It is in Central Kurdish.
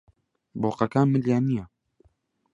بۆقەکان ملیان نییە.